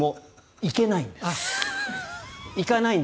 行けないんです。